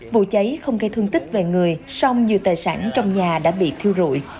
vụ cháy không gây thương tích về người song nhiều tài sản trong nhà đã bị thiêu rụi